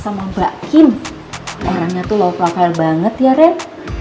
sama mbak kim orangnya tuh lokal banget ya ren